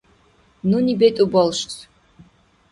Нуни бетӀу балшас.